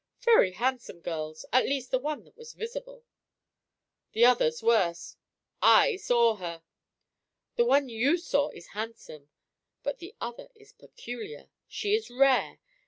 "Very handsome girls. At least the one that was visible." "The other's worse. I saw her. The one you saw is handsome; but the other is peculiar. She is rare.